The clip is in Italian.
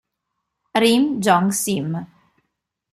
Rim Jong-sim